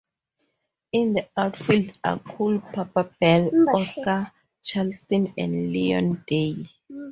In the outfield are Cool Papa Bell, Oscar Charleston, and Leon Day.